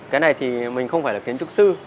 cái này thì mình không phải là kiến trúc sư